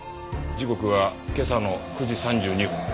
時刻は今朝の９時３２分。